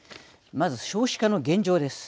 まず、少子化の現状です。